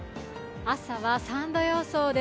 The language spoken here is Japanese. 朝は３度予想です。